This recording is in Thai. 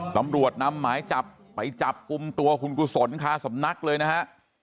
ตำรวจนำหมายจับไปจับกลุ่มตัวคุณกุศลคาสำนักเลยนะฮะ